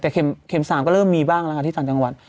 แต่เข็ม๓ก็เริ่มมีบ้างแล้วค่ะที่ต่างจังหวัด